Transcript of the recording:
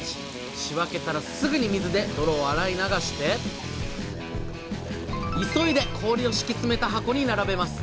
仕分けたらすぐに水で泥を洗い流して急いで氷を敷き詰めた箱に並べます。